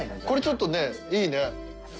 これちょっとねいいね！